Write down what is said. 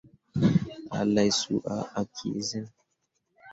A laa su ah, a kii cenne.